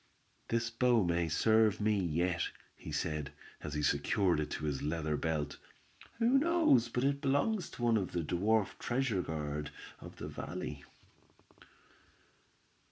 "This bow may serve me yet," he said, as he secured it to his leather belt. "Who knows but it belongs to one of the dwarf treasure guard of the valley."